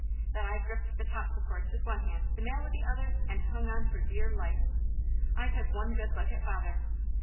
Then I gripped the top supports with one hand, the mail with the other, and hung on for dear life. I took one good look at father.